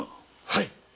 はい。